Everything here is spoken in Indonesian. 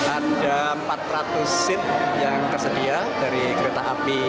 ada empat ratus seat yang tersedia dari kereta api